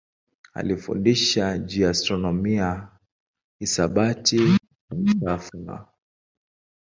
Alifundisha juu ya astronomia, hisabati na falsafa.